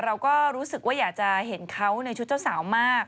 เราก็รู้สึกว่าอยากจะเห็นเขาในชุดเจ้าสาวมาก